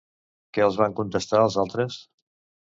Què els van contestar els altres?